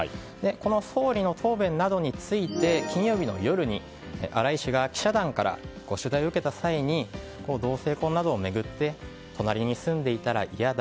この総理の答弁などについて金曜日の夜に、荒井氏が記者団から取材を受けた際に同性婚などを巡って隣に住んでいたら嫌だ。